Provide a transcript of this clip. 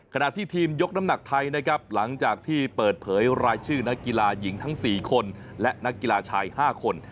ขณะที่ทีมยกน้ำหนักไทยนะครับหลังจากที่เปิดเผยรายชื่อนักกีฬาหญิงทั้ง๔คนและนักกีฬาชาย๕คน